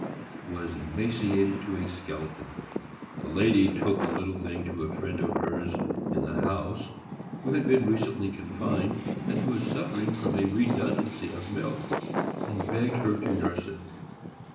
It was emaciated to a skeleton. The lady took the little thing to a friend of hers in the house who had been recently confined, and who was suffering from a redundancy of milk, and begged her to nurse it.